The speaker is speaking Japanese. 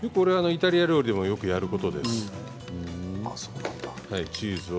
イタリア料理でもよくやります。